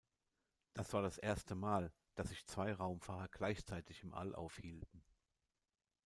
Das war das erste Mal, dass sich zwei Raumfahrer gleichzeitig im All aufhielten.